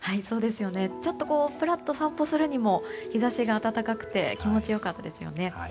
ちょっとぷらっと散歩するにも日差しが暖かくて気持ち良かったですよね。